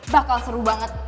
bakal seru banget